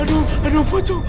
aduh aduh pocong